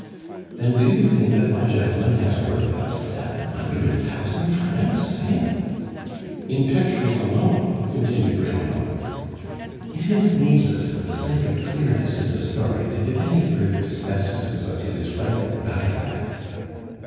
"Then do you think that my gentleman has worth of seven hundred thousand francs, eh? " "In pictures alone," continued Remonencq (it is needless, for the sake of clearness in the story, to give any further specimens of his frightful dialect).